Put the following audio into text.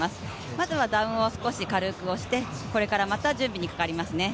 まずはダウンを少し軽くして、これからまた準備にかかりますね。